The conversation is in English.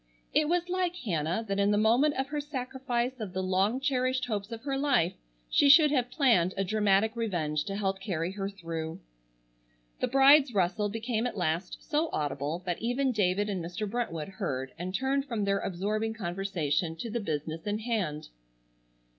It was like Hannah that in the moment of her sacrifice of the long cherished hopes of her life she should have planned a dramatic revenge to help carry her through. The bride's rustle became at last so audible that even David and Mr. Brentwood heard and turned from their absorbing conversation to the business in hand.